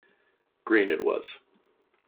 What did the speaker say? Green, it was.